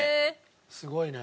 すごいね。